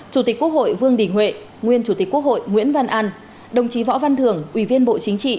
chủ tịch quốc hội vương đình huệ nguyên chủ tịch quốc hội nguyễn văn an đồng chí võ văn thưởng ủy viên bộ chính trị